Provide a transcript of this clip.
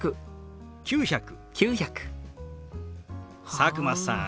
佐久間さん